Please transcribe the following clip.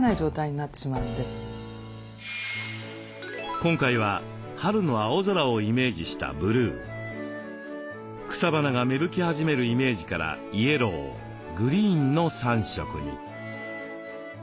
今回は春の青空をイメージしたブルー草花が芽吹き始めるイメージからイエローグリーンの３色に。